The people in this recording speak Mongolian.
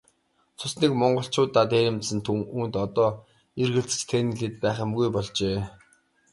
Цус нэгт монголчуудаа дээрэмдсэн түүнд одоо эргэлзэж тээнэгэлзээд байх юмгүй болжээ.